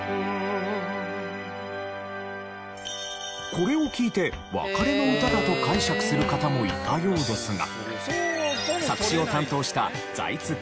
これを聴いて別れの歌だと解釈する方もいたようですが。